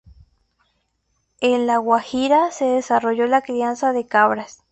En la Guajira se desarrolla la crianza de cabras.